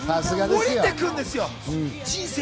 おりてくるんですよ。